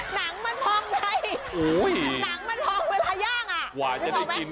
หนังมันพองเวลาย่างอ่ะ